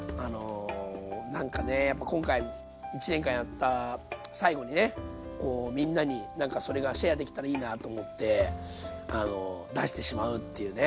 何かねやっぱ今回１年間やった最後にねみんなに何かそれがシェアできたらいいなと思って出してしまうっていうね